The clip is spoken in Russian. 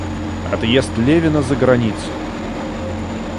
Отъезд Левина за границу.